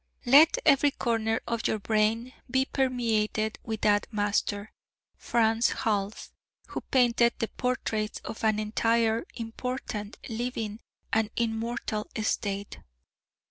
Let every corner of your brain be permeated with that master, Franz Hals, who painted the portraits of an entire, important, living, and immortal state.